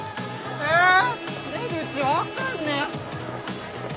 え出口分かんねえ。